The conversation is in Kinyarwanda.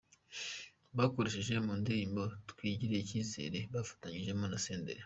bakoresheje mu ndirimbo Twigirire icyizere yafatanijemo na Senderi.